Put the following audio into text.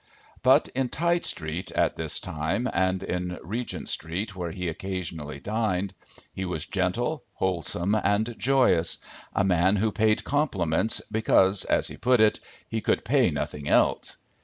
But in Tite street, at this time, and in Regent street where he occasionally dined, he was gentle, wholesome, and joyous; a man who paid compliments because, as he put it, he could pay nothing else.